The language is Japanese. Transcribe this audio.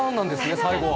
最後は。